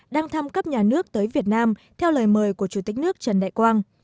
đang thăm cấp nhà nước tới việt nam theo lời mời của chủ tịch nước trần đại quang